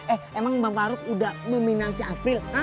eh emang bang farug udah meminang si afril